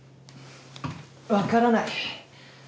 わからない。